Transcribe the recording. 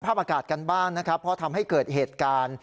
อากาศกันบ้างนะครับเพราะทำให้เกิดเหตุการณ์